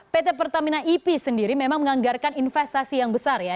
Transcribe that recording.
pt pertamina ip sendiri memang menganggarkan investasi yang besar ya